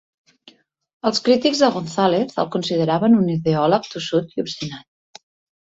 Els crítics de Gonzalez el consideraven un ideòleg tossut i obstinat.